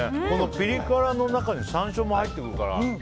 ピリ辛の中に山椒も入ってくるから。